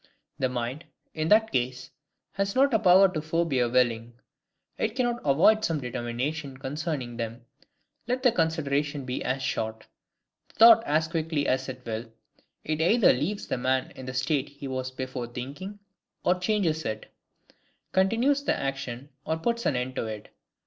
The mind, in that case, has not a power to forbear WILLING; it cannot avoid some determination concerning them, let the consideration be as short, the thought as quick as it will, it either leaves the man in the state he was before thinking, or changes it; continues the action, or puts an end to it.